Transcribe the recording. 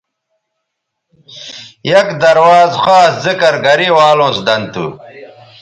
یک درواز خاص ذکر گرےوالوں سو دن تھو